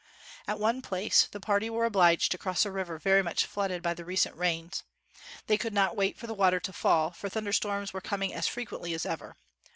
At one place, the party were obliged to cross a river very much flooded by the re cent rains. They could not wait for the water to fall, for thunder storms were com ing as frequently as ever.